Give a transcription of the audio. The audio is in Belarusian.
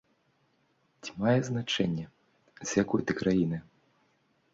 Ці мае значэнне, з якой ты краіны?